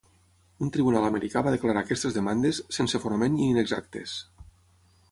Un tribunal americà va declarar aquestes demandes "sense fonament i inexactes".